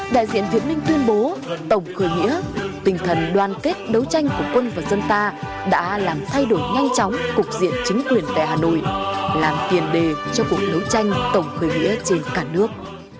đại diện việt minh tuyên bố tổng khởi nghĩa tinh thần đoàn kết đấu tranh của quân và dân ta đã làm thay đổi nhanh chóng cục diện chính quyền tại hà nội làm tiền đề cho cuộc đấu tranh tổng khởi nghĩa trên cả nước